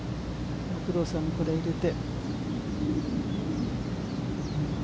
工藤さんもこれを入れて。